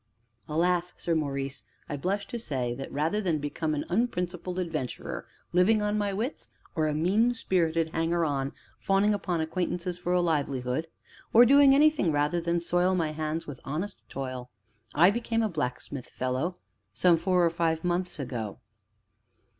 "Alas, Sir Maurice, I blush to say that rather than become an unprincipled adventurer living on my wits, or a mean spirited hanger on fawning upon acquaintances for a livelihood, or doing anything rather than soil my hands with honest toil, I became a blacksmith fellow some four or five months ago."